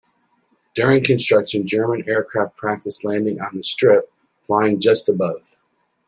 During construction German aircraft practice landing on the strip, flying just above.